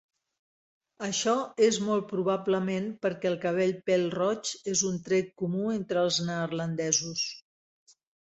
Això és molt probablement perquè el cabell pèl-roig és un tret comú entre els neerlandesos.